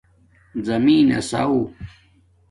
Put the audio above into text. زمین نس آݸ